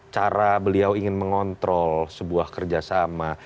cara beliau ingin mengontrol sebuah kerjasama